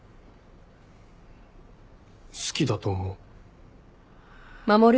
好きだと思う。